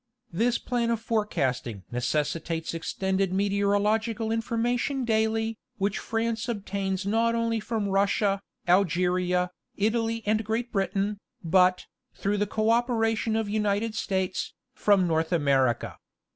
This plan of forecasting necessitates extended meteorological information daily, which France obtains not only from Russia, Algeria, Italy and Great Britain, but, through the codperation of United States, from North America.